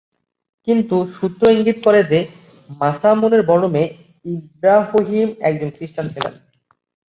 কিন্তু, কিছু সূত্র ইঙ্গিত করে যে, মাসামুনের বড় মেয়ে ইরোহাহিম একজন খ্রিস্টান ছিলেন।